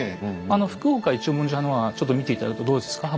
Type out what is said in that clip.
福岡一文字派のはちょっと見て頂くとどうですか？